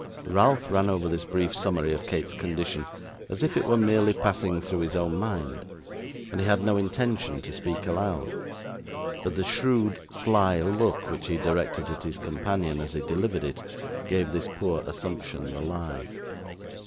Ralph ran over this brief summary of Kate's condition as if it were merely passing through his own mind, and he had no intention to speak aloud; but the shrewd sly look which he directed at his companion as he delivered it, gave this poor assumption the lie.